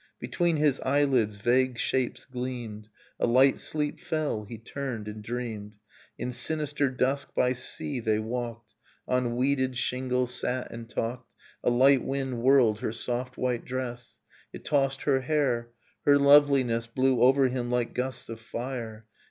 Between his eyelids vague shapes gleamed, A light sleep fell, he turned and dreamed. ... In sinister dusk by sea they walked. On weeded shingle sat and talked: A hght wind whirled her soft white dress. It tossed her hair, her loveliness Blew over him like gusts of fire.